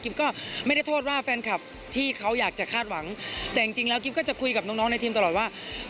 ก็ไม่ได้โทษว่าแฟนคลับที่เขาอยากจะคาดหวังแต่จริงแล้วกิ๊บก็จะคุยกับน้องในทีมตลอดว่า